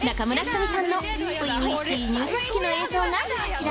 初々しい入社式の映像がこちら！